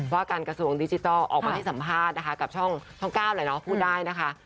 ว่าการกระทรวงดิจิทัลออกมาที่สัมภาษณ์กับช่องก้าวพูดได้นะคะ